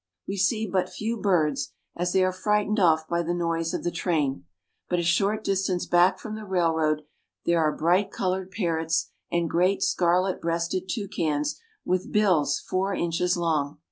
We see but few birds, as they are frightened off by the noise of the train; but a short dis tance back from the railroad there are bright colored par rots and great scarlet breasted toucans with bills four inches long.